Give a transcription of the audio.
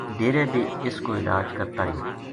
ڈیرے بے اس کو علاج کرتا رہیا